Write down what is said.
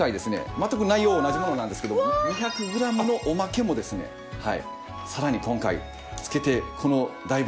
全く内容同じものなんですけど２００グラムのおまけもですねさらに今回付けてこの大ボリュームで。